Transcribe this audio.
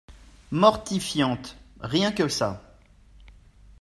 Mortifiante, rien que ça